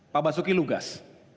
pak basuki lugas